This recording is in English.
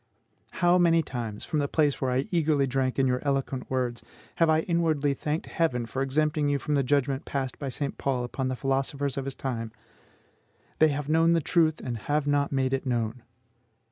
How many times, from the place where I eagerly drank in your eloquent words, have I inwardly thanked Heaven for exempting you from the judgment passed by St. Paul upon the philosophers of his time, "They have known the truth, and have not made it known"!